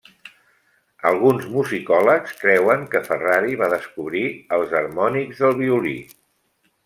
Alguns musicòlegs creuen que Ferrari va descobrir els harmònics del violí.